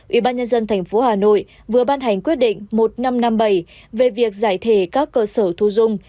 ủy ban nhân dân thành phố hà nội vừa ban hành quyết định một nghìn năm trăm năm mươi bảy về việc giải thể các cơ sở thu dung